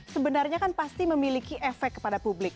sebenarnya kan pasti memiliki efek kepada publik